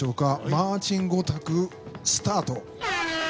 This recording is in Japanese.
マーチン５択、スタート！